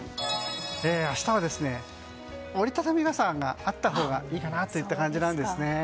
明日は折り畳み傘があったほうがいいかなという感じです。